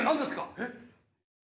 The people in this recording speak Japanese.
えっ？